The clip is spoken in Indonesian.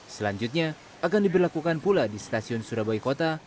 selanjutnya akan diberlakukan pula di stasiun surabaya kota